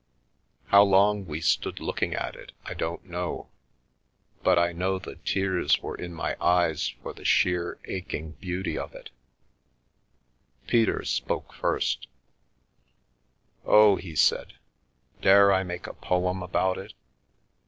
How long we stood looking at it I don't know, but I know the tears were in my eyes for the sheer, aching beauty of it Peter spoke first " Oh," he said, " dare I make a poem about it